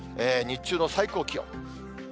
日中の最高気温。